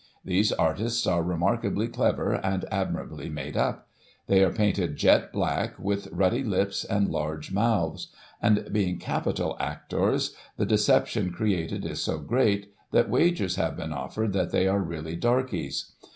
These artists are remarkably clever, and ad mirably ' made up/ They are painted jet black, with ruddy lips, and large mouths ; and, being capital actors, the deception created is so great, that wagers have been offered that they are really 'darkies.'